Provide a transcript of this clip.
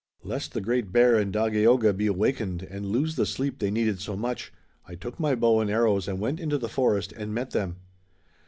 Lest the Great Bear and Dagaeoga be awakened and lose the sleep they needed so much, I took my bow and arrows and went into the forest and met them."